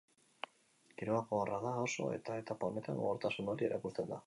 Giroa gogorra da oso, eta etapa honetan gogortasun hori erakusten da.